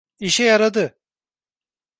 İşe yaradı!